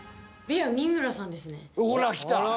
ほらきた。